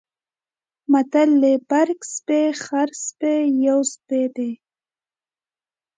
متل دی: برګ سپی، خړسپی یو سپی دی.